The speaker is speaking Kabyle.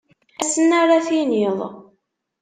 Ass-n ara tiniḍ.